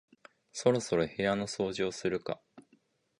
そろそろ部屋の掃除をするか